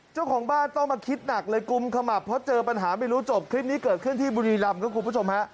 เจ้าของบ้านต้องมาคิดหนักเลยกุมขมับเพราะเจอปัญหาไม่รู้จบคลิปนี้เกิดขึ้นที่บุรีรำครับคุณผู้ชมฮะ